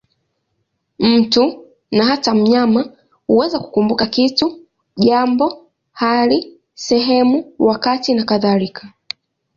Mtu, na hata mnyama, huweza kukumbuka kitu, jambo, hali, sehemu, wakati nakadhalika.